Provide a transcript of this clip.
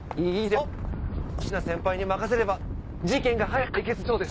保科先輩に任せれば事件が早く解決できそうです。